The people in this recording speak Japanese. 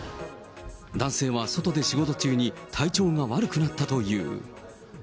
男性は外で仕事中に体調が悪くなったという。